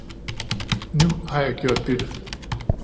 Nu har jeg gjort bytte!